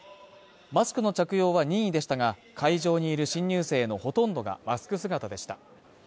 マスクの着用は任意でしたが、会場にいる新入生のほとんどがマスク姿でした。